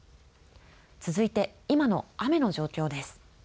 続いて、今の雨の状況です。